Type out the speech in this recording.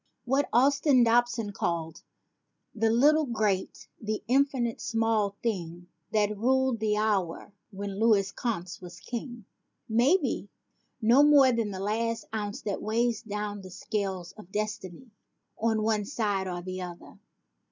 What Austin Dobson called The little great, the infinite small thing, That ruled the hour when Louis Quinze was king 144 ON THE LENGTH OF CLEOPATRA'S NOSE may be no more than the last ounce that weights down the scales of destiny on one side or the other.